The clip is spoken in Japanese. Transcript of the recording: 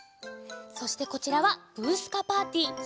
そしてこちらは「ブー！スカ・パーティー！」